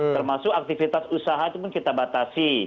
termasuk aktivitas usaha itu pun kita batasi